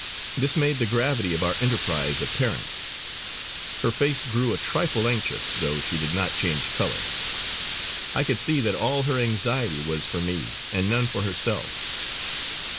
This made the gravity of our enterprise apparent. Her face grew a trifle anxious, though she did not change colour; I could see that all her anxiety was for me and none for herself.